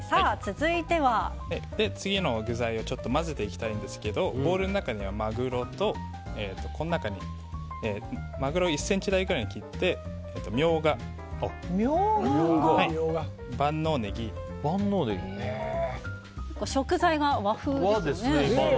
次の具材を混ぜていきたいんですけどボウルの中にはマグロ１ｃｍ大ぐらいに切って食材が和風ですね。